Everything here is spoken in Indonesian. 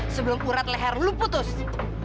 sebelum urat leher lu putus